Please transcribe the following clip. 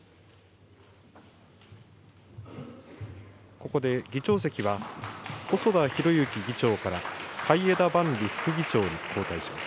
ここで議長席は細田博之議長から、海江田万里副議長に交代します。